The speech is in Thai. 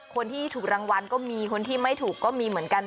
คนที่ถูกรางวัลก็มีคนที่ไม่ถูกก็มีเหมือนกัน